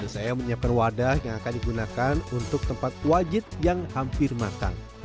saya menyiapkan wadah yang akan digunakan untuk tempat wajit yang hampir matang